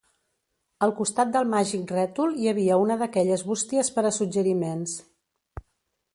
Al costat del màgic rètol hi havia una d'aquelles bústies per a suggeriments.